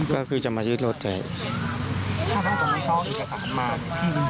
ก็คือจะมายืดรถแทน